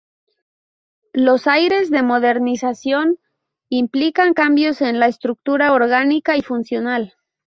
Los aires de modernización, implican cambios en la estructura orgánica y funcional.